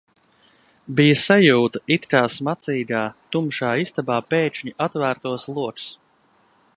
Bija sajūta, it kā smacīgā, tumšā istabā pēkšņi atvērtos logs.